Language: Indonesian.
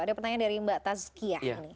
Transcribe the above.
ada pertanyaan dari mbak taskiah